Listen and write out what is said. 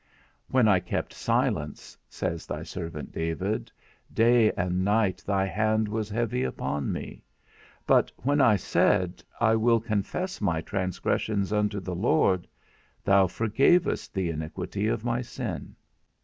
When I kept silence, says thy servant David, day and night thy hand was heavy upon me; but when I said, I will confess my transgressions unto the Lord, thou forgavest the iniquity of my sin.